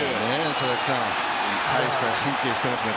佐々木さん、大した神経してますね。